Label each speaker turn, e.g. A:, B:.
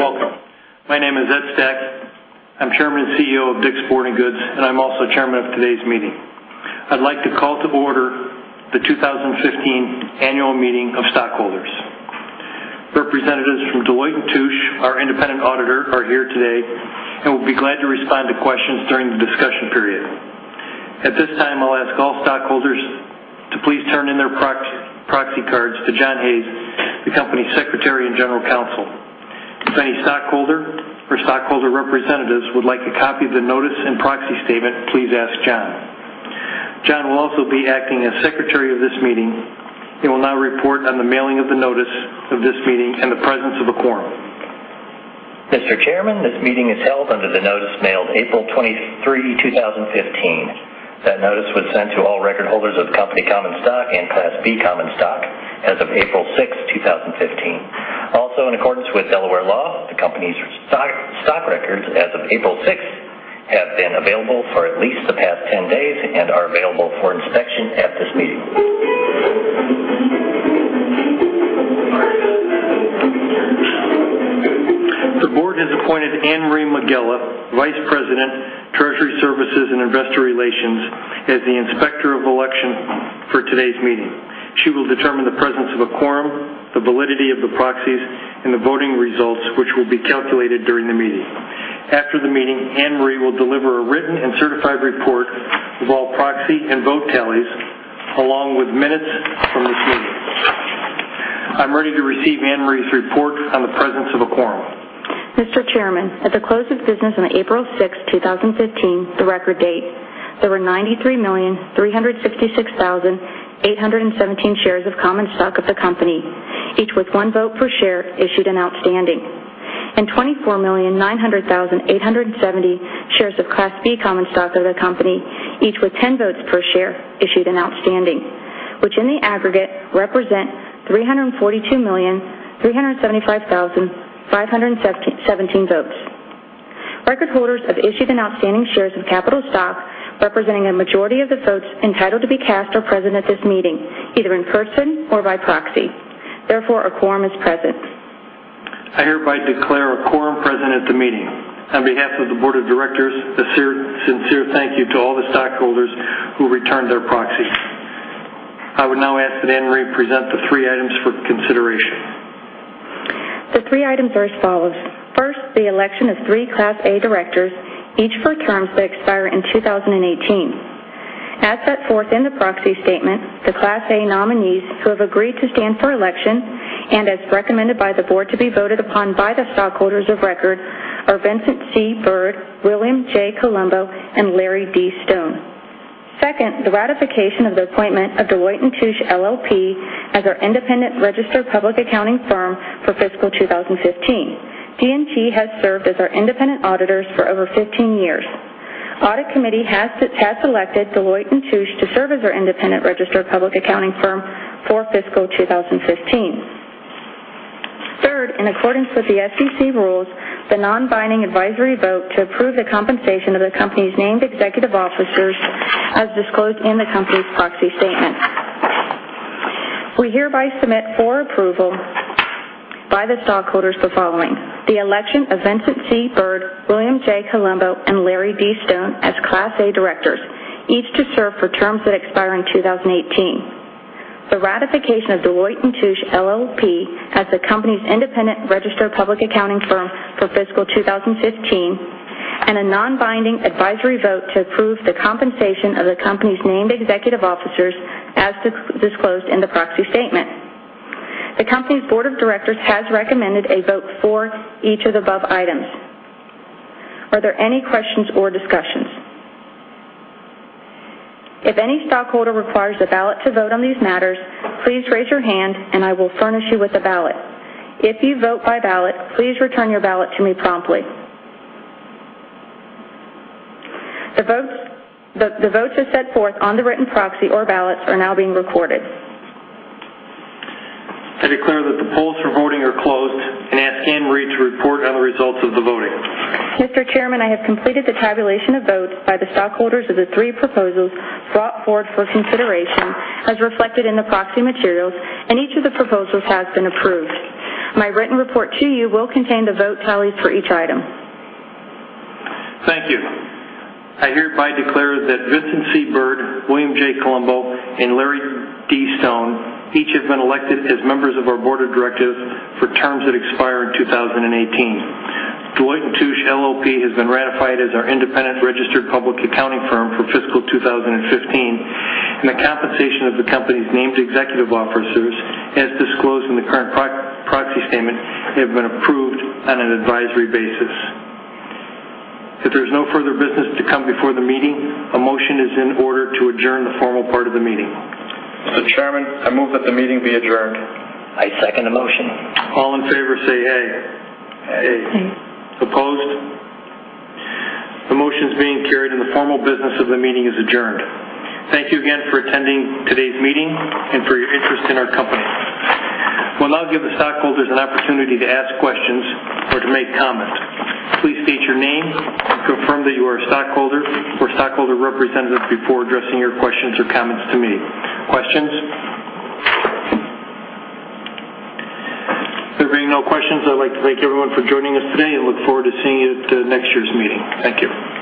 A: Good afternoon, and welcome. My name is Ed Stack. I'm Chairman and CEO of DICK'S Sporting Goods, and I'm also chairman of today's meeting. I'd like to call to order the 2015 annual meeting of stockholders. Representatives from Deloitte & Touche, our independent auditor, are here today and will be glad to respond to questions during the discussion period. At this time, I'll ask all stockholders to please turn in their proxy cards to John Hayes, the company secretary and general counsel. If any stockholder or stockholder representatives would like a copy of the notice and proxy statement, please ask John. John will also be acting as secretary of this meeting and will now report on the mailing of the notice of this meeting and the presence of a quorum.
B: Mr. Chairman, this meeting is held under the notice mailed April 23, 2015. That notice was sent to all record holders of the company common stock and Class B common stock as of April 6, 2015. In accordance with Delaware law, the company's stock records as of April 6th have been available for at least the past 10 days and are available for inspection at this meeting.
A: The board has appointed Anne Marie Tullio, Vice President, Treasury Services and Investor Relations, as the Inspector of Election for today's meeting. She will determine the presence of a quorum, the validity of the proxies, and the voting results, which will be calculated during the meeting. After the meeting, Anne Marie will deliver a written and certified report of all proxy and vote tallies, along with minutes from this meeting. I'm ready to receive Anne Marie's report on the presence of a quorum.
C: Mr. Chairman, at the close of business on April 6, 2015, the record date, there were 93,366,817 shares of common stock of the company, each with one vote per share issued and outstanding, and 24,900,870 shares of Class B common stock of the company, each with 10 votes per share issued and outstanding, which in the aggregate represent 342,375,517 votes. Record holders of issued and outstanding shares of capital stock representing a majority of the votes entitled to be cast are present at this meeting, either in person or by proxy. A quorum is present.
A: I hereby declare a quorum present at the meeting. On behalf of the board of directors, a sincere thank you to all the stockholders who returned their proxies. I would now ask that Anne Marie present the three items for consideration.
C: The three items are as follows. First, the election of three Class A Directors, each for terms that expire in 2018. As set forth in the proxy statement, the Class A nominees who have agreed to stand for election and as recommended by the board to be voted upon by the stockholders of record are Vincent C. Byrd, William J. Colombo, and Larry D. Stone. Second, the ratification of the appointment of Deloitte & Touche LLP as our independent registered public accounting firm for fiscal 2015. D&T has served as our independent auditors for over 15 years. Audit committee has selected Deloitte & Touche to serve as our independent registered public accounting firm for fiscal 2015. Third, in accordance with the SEC rules, the non-binding advisory vote to approve the compensation of the company's named executive officers as disclosed in the company's proxy statement. We hereby submit for approval by the stockholders the following: The election of Vincent C. Byrd, William J. Colombo, and Larry D. Stone as Class A Directors, each to serve for terms that expire in 2018; the ratification of Deloitte & Touche LLP as the company's independent registered public accounting firm for fiscal 2015; and a non-binding advisory vote to approve the compensation of the company's named executive officers as disclosed in the proxy statement. The company's board of directors has recommended a vote for each of the above items. Are there any questions or discussions? If any stockholder requires a ballot to vote on these matters, please raise your hand and I will furnish you with a ballot. If you vote by ballot, please return your ballot to me promptly. The votes as set forth on the written proxy or ballots are now being recorded.
A: I declare that the polls for voting are closed and ask Anne Marie to report on the results of the voting.
C: Mr. Chairman, I have completed the tabulation of votes by the stockholders of the three proposals brought forward for consideration as reflected in the proxy materials. Each of the proposals has been approved. My written report to you will contain the vote tallies for each item.
A: Thank you. I hereby declare that Vincent C. Byrd, William J. Colombo, and Larry D. Stone each have been elected as members of our board of directors for terms that expire in 2018. Deloitte & Touche LLP has been ratified as our independent registered public accounting firm for fiscal 2015. The compensation of the company's named executive officers, as disclosed in the current proxy statement, have been approved on an advisory basis. If there is no further business to come before the meeting, a motion is in order to adjourn the formal part of the meeting.
B: Mr. Chairman, I move that the meeting be adjourned.
D: I second the motion.
A: All in favor say "aye.
B: Aye.
C: Aye.
A: Opposed? The motion is being carried and the formal business of the meeting is adjourned. Thank you again for attending today's meeting and for your interest in our company. We'll now give the stockholders an opportunity to ask questions or to make comments. Please state your name and confirm that you are a stockholder or stockholder representative before addressing your questions or comments to me. Questions? There being no questions, I'd like to thank everyone for joining us today and look forward to seeing you at next year's meeting. Thank you.